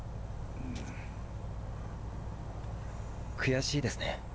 悔しいですね。